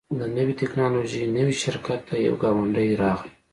د لوړې ټیکنالوژۍ نوي شرکت ته یو ګاونډی راغی